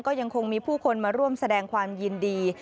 ก็ยังคงมีผู้คนมาร่วมแสดงความยินดี